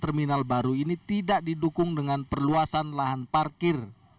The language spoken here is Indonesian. terminal baru ini tidak didukung dengan perluasan lahan parkir